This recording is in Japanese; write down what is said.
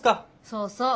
そうそう。